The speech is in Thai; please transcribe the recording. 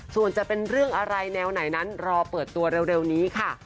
ส่วนจะเป็นเรื่องอะไรแนวไหนนั้นรอเปิดตัวเร็วนี้ค่ะ